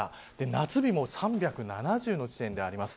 夏日も３７０の地点であります。